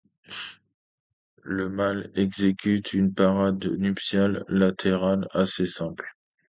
Le mâle exécute une parade nuptiale latérale assez simple.